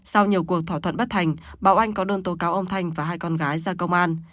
sau nhiều cuộc thỏa thuận bất thành bảo oanh có đơn tố cáo ông thanh và hai con gái ra công an